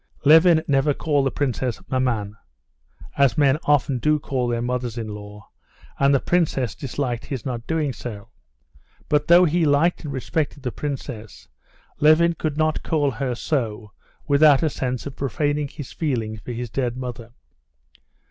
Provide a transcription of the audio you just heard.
Levin never called the princess "maman" as men often do call their mothers in law, and the princess disliked his not doing so. But though he liked and respected the princess, Levin could not call her so without a sense of profaning his feeling for his dead mother.